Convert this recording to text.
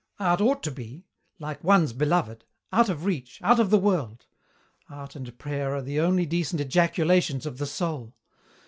Art ought to be like one's beloved out of reach, out of the world. Art and prayer are the only decent ejaculations of the soul.